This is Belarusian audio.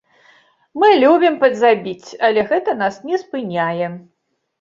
Мы любім падзабіць, але гэта нас не спыняе.